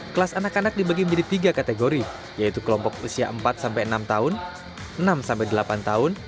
kelas anak anak dibagi menjadi tiga kategori yaitu kelompok usia empat enam tahun enam delapan tahun dan delapan dua belas tahun